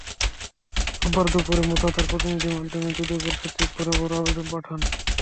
রোববার দুপুরে মুসা তাঁর প্রতিনিধির মাধ্যমে দুদকের সচিব বরাবর আবেদন পাঠান।